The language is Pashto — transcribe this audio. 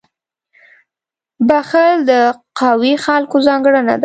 • بخښل د قوي خلکو ځانګړنه ده.